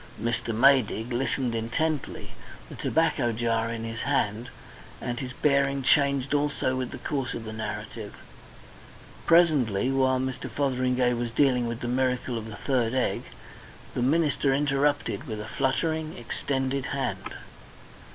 Mr. Maydig listened intently, the tobacco jar in his hand, and his bearing changed also with the course of the narrative. Presently, while Mr. Fotheringay was dealing with the miracle of the third egg, the minister interrupted with a fluttering, extended hand.